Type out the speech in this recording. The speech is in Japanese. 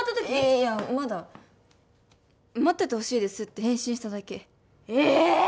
いやまだ待っててほしいですって返信しただけえ！